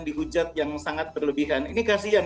dihujat yang sangat berlebihan ini kasian